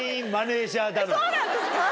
そうなんですか？